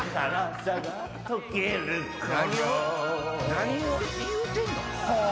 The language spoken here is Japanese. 何を何を言うてんの？